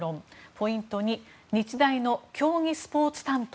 ポイント２日大の競技スポーツ担当